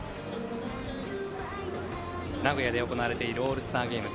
名古屋で行われているオールスターゲーム。